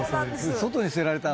外に捨てられたの？